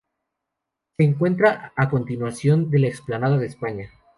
Se encuentra a continuación de la Explanada de España.